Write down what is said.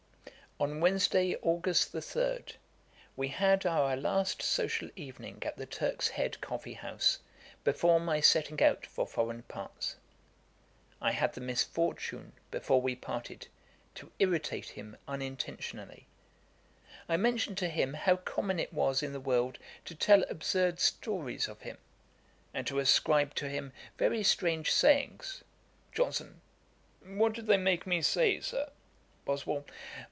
On Wednesday, August 3, we had our last social evening at the Turk's Head coffee house, before my setting out for foreign parts. I had the misfortune, before we parted, to irritate him unintentionally. I mentioned to him how common it was in the world to tell absurd stories of him, and to ascribe to him very strange sayings. JOHNSON. 'What do they make me say, Sir?' BOSWELL.